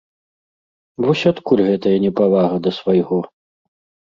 Вось адкуль гэтая непавага да свайго?